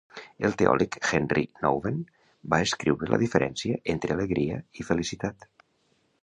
El teòleg Henri Nouwen va descriure la diferència entre alegria i felicitat.